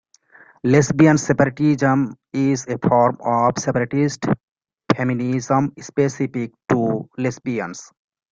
Lesbian separatism is a form of separatist feminism specific to lesbians.